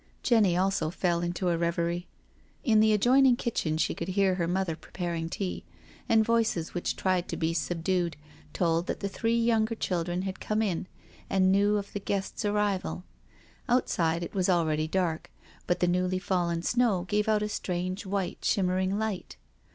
Jenny also fell into a reverie. In the adjoining kitchen she could hear her mother preparing tea, and voices which tried to be subdued, told that the three younger children had come in and knew of the guest's arrival. Outside it was already dark, but the newly* fallen snow gave out a strange, white shimmering light.